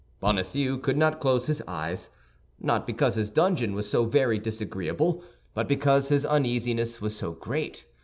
Bonacieux could not close his eyes; not because his dungeon was so very disagreeable, but because his uneasiness was so great.